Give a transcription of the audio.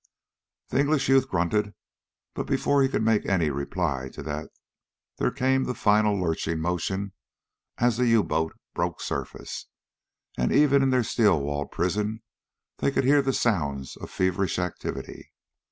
The English youth grunted, but before he could make any reply to that there came the final lurching motion as the U boat broke surface, and even in their steel walled prison they could hear the sounds of feverish activity.